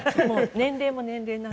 年齢も年齢なので。